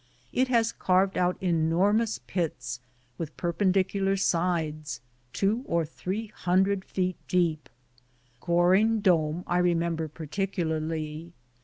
It has carved out enormous pits with perpendi cular sides, two or three hundred feet deep. Goring Dome I remember particularly.